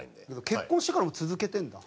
結婚してからも続けてるんだ？